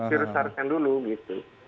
virus sars yang dulu gitu